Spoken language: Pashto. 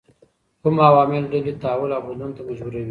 کوم عوامل ډلې تحول او بدلون ته مجبوروي؟